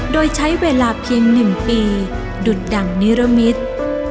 โดยใช้เวลาเพียง๑ปีดุดดั่งนิรมิตร